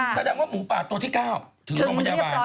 แสดงว่าหมูป่าตัวที่๙ถึงโรงพยาบาล